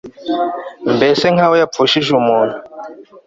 mbese nk'aho yapfushije umuntu